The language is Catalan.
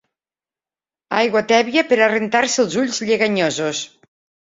Aigua tèbia per a rentar-se els ulls lleganyosos.